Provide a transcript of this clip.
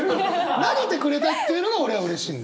投げてくれたっていうのが俺はうれしい。